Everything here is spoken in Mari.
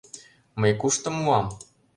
Мый кушто муам?